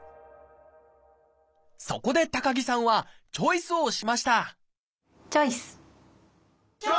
そこで高木さんはチョイスをしましたチョイス！